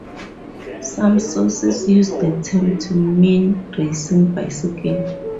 Some sources use the term to mean racing bicycle.